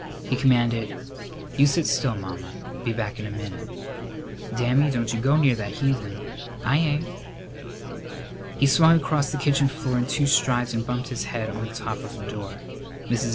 He commanded, "You sit still, Mamma. Be back in a minute." "Dammy, don't you go near that heathen!" "I ain't." He swung across the kitchen floor in two strides and bumped his head on the top of the door. Mrs.